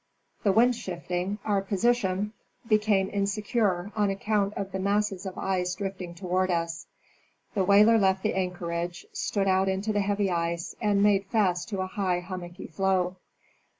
The wind shifting, our position became insecure on account of the masses of ice drifting toward us; the whaler left the anchorage, stood out into the heavy ice, and made fast to a high hummocky floe.